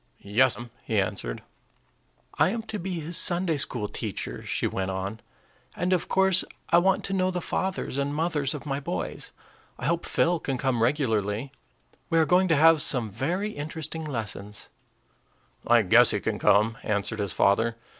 "Yes'm," he answered. "I am to be his Sunday school teacher," she went on; "and of course I want to know the fathers and mothers of my boys. I hope Phil can come regularly. We are going to have some very interesting lessons." "I guess he can come," answered his father.